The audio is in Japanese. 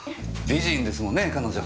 美人ですもんね彼女。